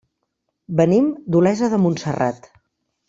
Venim d'Olesa de Montserrat.